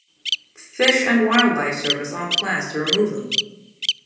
Fish and Wildlife Service on plans to remove them.